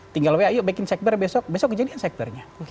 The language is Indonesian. tinggal saya bikin segber besok kejadian segbernya